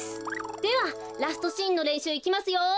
ではラストシーンのれんしゅういきますよ。